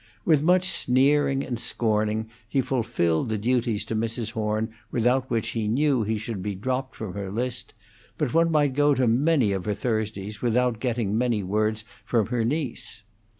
With much sneering and scorning, he fulfilled the duties to Mrs. Horn without which he knew he should be dropped from her list; but one might go to many of her Thursdays without getting many words with her niece.